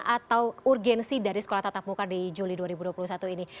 atau urgensi dari sekolah tatap muka di juli dua ribu dua puluh satu ini